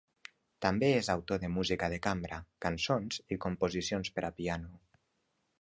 També és autor de música de cambra, cançons i composicions per a piano.